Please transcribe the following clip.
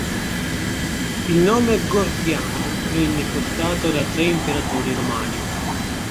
Il nome Gordiano venne portato da tre imperatori romani.